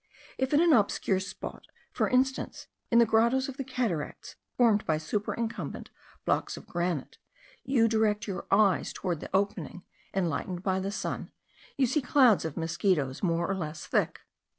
If in an obscure spot, for instance in the grottos of the cataracts formed by superincumbent blocks of granite, you direct your eyes toward the opening enlightened by the sun, you see clouds of mosquitos more or less thick.